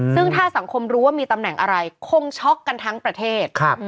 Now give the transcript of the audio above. ซึ่งถ้าสังคมรู้ว่ามีตำแหน่งอะไรคงช็อกกันทั้งประเทศ